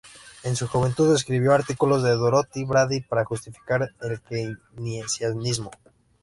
En su juventud, escribió artículos con Dorothy Brady para justificar el Keynesianismo.